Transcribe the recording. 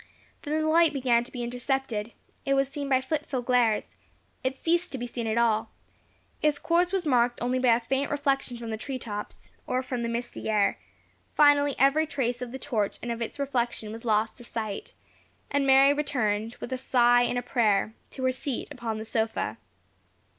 Then the light began to be intercepted; it was seen by fitful glares; it ceased to be seen at all; its course was marked only by a faint reflection from the tree tops, or from the misty air; finally every trace of the torch and of its reflection was lost to sight, and Mary returned, with a sigh and a prayer, to her seat upon the sofa.